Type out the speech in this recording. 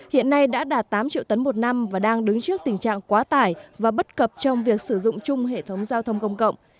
hiện nay đã đạt tám triệu tấn một năm và đang đứng trước tình trạng quá tải và bất cập trong việc sử dụng chung hệ thống giao thông công cộng